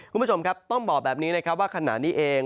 คุณผู้ชมครับต้องบอกแบบนี้นะครับว่าขณะนี้เอง